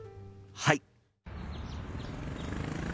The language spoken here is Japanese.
はい！